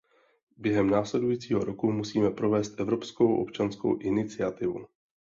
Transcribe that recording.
Během následujícího roku musíme provést Evropskou občanskou iniciativu.